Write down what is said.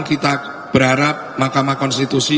kita berharap mahkamah konstitusi